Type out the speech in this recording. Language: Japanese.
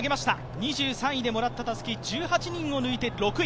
２３位でもらったたすき、１８人を抜いて６位。